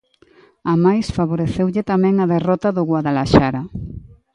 Amais, favoreceulle tamén a derrota do Guadalaxara.